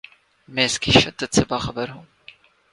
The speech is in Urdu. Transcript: میں اس کی شدت سے باخبر ہوں۔